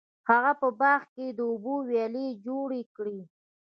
هغه په باغ کې د اوبو ویالې جوړې کړې.